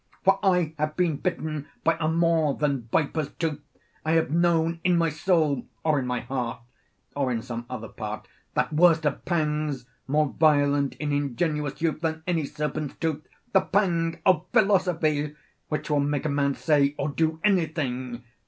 For I have been bitten by a more than viper's tooth; I have known in my soul, or in my heart, or in some other part, that worst of pangs, more violent in ingenuous youth than any serpent's tooth, the pang of philosophy, which will make a man say or do anything.